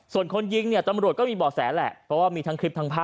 ส่วนคนยิงเนี่ยตำรวจก็มีบ่อแสแหละเพราะว่ามีทั้งคลิปทั้งภาพ